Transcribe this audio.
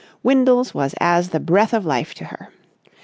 Windles was as the breath of life to her.